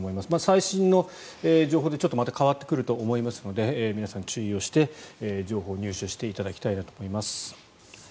最新の情報でちょっとまた変わってくると思いますので皆さん、注意をして情報を入手していただきたいなと思います。